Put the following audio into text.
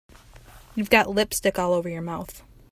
You've got lipstick all over your mouth.